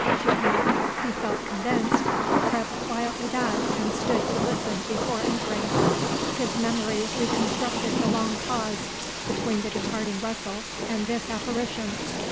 She had, he felt convinced, crept quietly back and stood to listen before entering. His memory reconstructed the long pause between the departing rustle and this apparition.